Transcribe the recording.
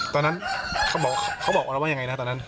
ตอนนั้นเขาบอกว่าอย่างไรนะ